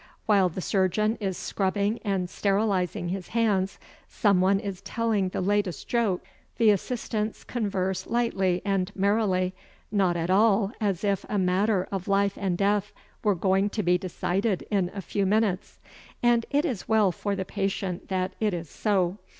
While the surgeon is scrubbing and sterilising his hands someone is telling the latest joke, the assistants converse lightly and merrily, not at all as if a matter of life and death were going to be decided in a few minutes. And it is well for the patient that it is so.